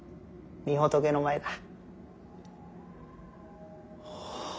御仏の前だ。